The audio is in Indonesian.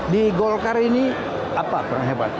di golkar ini apa kurang hebat